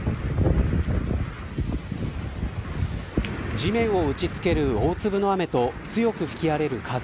地面を打ち付ける大粒の雨と強く吹き荒れる風。